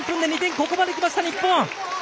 ここまできました、日本！